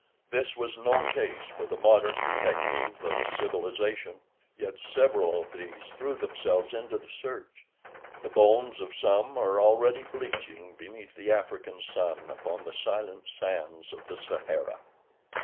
This was no case for the modern detective of civilization, yet several of these threw themselves into the search—the bones of some are already bleaching beneath the African sun upon the silent sands of the Sahara.